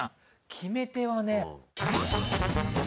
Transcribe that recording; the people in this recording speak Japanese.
決め手はね。